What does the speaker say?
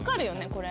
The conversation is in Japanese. これ。